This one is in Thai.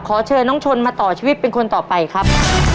ขอเชิญน้องชนมาต่อชีวิตเป็นคนต่อไปครับ